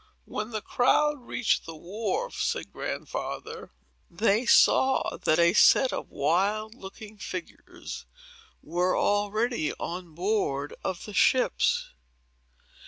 "When the crowd reached the wharf," said Grandfather, "they saw that a set of wild looking figures were already on board of the ships.